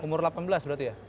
umur delapan belas berarti ya